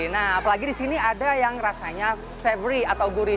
nah apalagi disini ada yang rasanya savory atau gurih